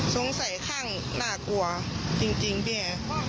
สงสัยข้างน่ากลัวจริงแบบนี้